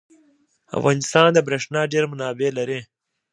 افغانستان د بریښنا ډیر منابع لري.